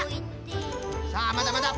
さあまだまだ。